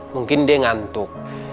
mungkin dia ngantuk